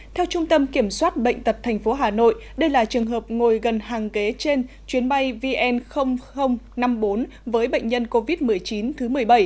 theo trung tâm kiểm soát bệnh tật tp hà nội đây là trường hợp ngồi gần hàng kế trên chuyến bay vn năm mươi bốn với bệnh nhân covid một mươi chín thứ một mươi bảy